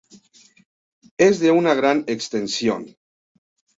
Es de una gran extensión.